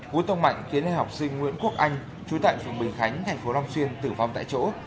vũ tông mạnh khiến em học sinh nguyễn quốc anh chủ tại phường bình khánh thành phố long xuyên tử vong tại chỗ